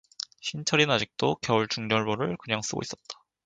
신철이는 아직도 겨울 중절모를 그냥 쓰고 있었다.